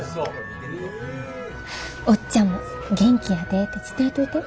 おっちゃんも元気やでって伝えといて。